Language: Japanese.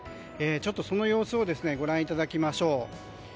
ちょっとその様子をご覧いただきましょう。